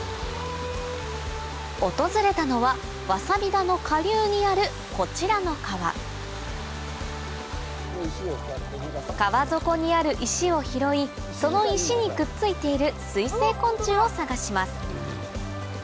訪れたのはわさび田の下流にあるこちらの川川底にある石を拾いその石にくっついている水生昆虫を探します